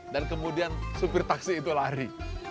dan kemudian supir taksi itu lari